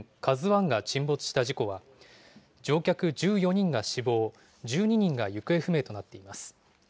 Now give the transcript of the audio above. ＫＡＺＵＩが沈没した事故は、乗客１４人が死亡、１２人が行方不明となっています。